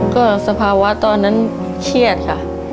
ก็สภาวะตอนนั้นเครียดค่ะ